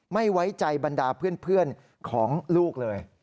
ไม่ไว้ใจบรรดาเพื่อนของลูกเลย